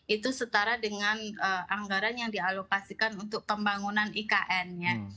itu setara dengan anggaran yang dialokasikan untuk pembangunan ikn ya